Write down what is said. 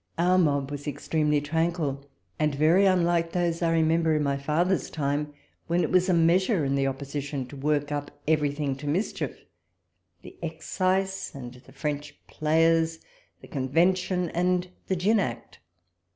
Our mob was extremely tranquil, and very unlike those I remember in ray father's walpole's letters. 59 time, when it was a measure in the Opposition to work up everything to mischief, the Excise and the French players, the Convention and the Gin Act.